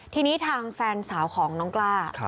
ทีนี้ทางแฟนสาวของน้องกล้า